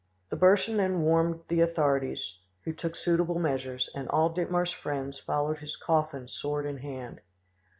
The Burschen then warned the authorities, who took suitable measures, and all Dittmar's friends followed his coffin sword in hand.